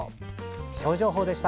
気象情報でした。